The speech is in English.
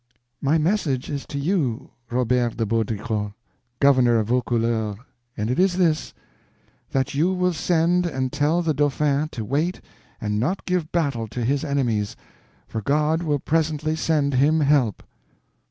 "My message is to you, Robert de Baudricourt, governor of Vaucouleurs, and it is this: that you will send and tell the Dauphin to wait and not give battle to his enemies, for God will presently send him help."